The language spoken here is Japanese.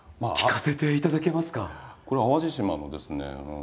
これは淡路島のですね